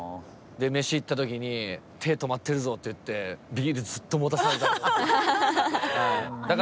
でめし行った時に「手止まってるぞ」って言ってビールずっと持たされたりとか。